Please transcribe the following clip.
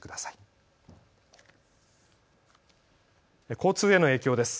交通への影響です。